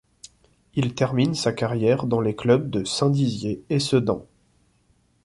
Il termine sa carrière dans les clubs de Saint-Dizier et Sedan.